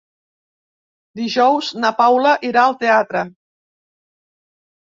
Dijous na Paula irà al teatre.